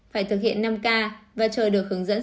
phải thực hiện năm k và chờ được hướng dẫn